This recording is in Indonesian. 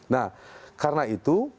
nah karena itu